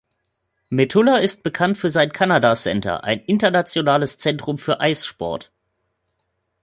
Metulla ist bekannt für sein Canada-Center, ein internationales Zentrum für Eissport.